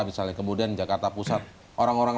misalnya kemudian jakarta pusat orang orang